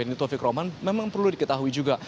ini taufik roman memang perlu diketahui juga